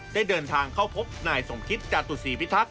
ได้เดินทางเข้าพบนายสมคิตจาตุศีพิทักษ